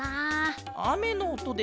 わっあめのおとで？